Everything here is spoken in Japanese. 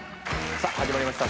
さぁ始まりました